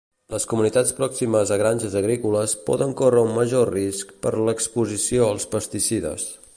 Les comunitats pròximes a granges agrícoles poden córrer un major risc per l'exposició als pesticides.